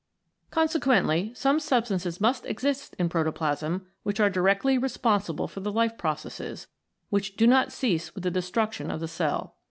Consequently some substances must exist in protoplasm which are directly responsible for the life processes, which do not cease with the destruction of the cell.